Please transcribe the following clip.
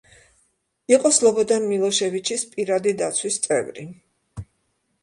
იყო სლობოდან მილოშევიჩის პირადი დაცვის წევრი.